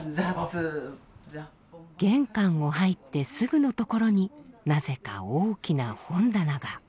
玄関を入ってすぐのところになぜか大きな本棚が。